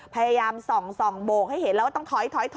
พยายามส่องโบกให้เห็นแล้วว่าต้องถอย